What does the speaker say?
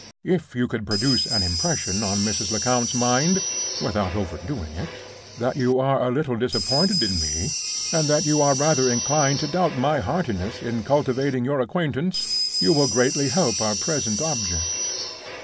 If you could produce an impression on Mrs. Lecount's mind (without overdoing it), that you are a little disappointed in me, and that you are rather inclined to doubt my heartiness in cultivating your acquaintance, you will greatly help our present object.